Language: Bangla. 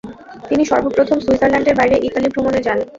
তিনি সর্বপ্রথম সুইজারল্যান্ডের বাইরে ইতালি ভ্রমণে যান।